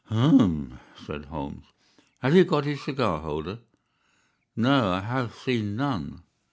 "Hum!" said Holmes, "have you got his cigar holder?" "No, I have seen none."